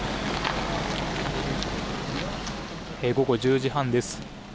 午後１０時半です。